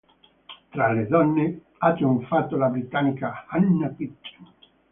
Tra le donne ha trionfato la britannica Hannah Kitchen.